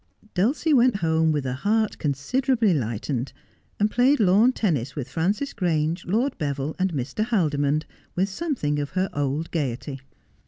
Dulcie went home with her heart considerably lightened, and played lawn tennis with Frances Grange, Lord Beville and Mr. Haldimond, with something of her old gaiety.